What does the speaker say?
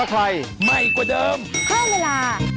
แล้วโพสดีค่ะ